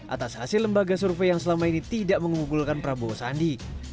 atas hasil lembaga survei yang selama ini tidak mengunggulkan prabowo sandi